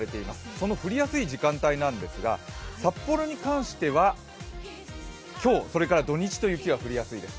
その降りやすい時間帯なんですが札幌に関しては今日、それから土日、雪が降りやすいです。